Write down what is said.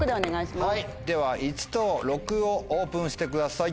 では１と６をオープンしてください。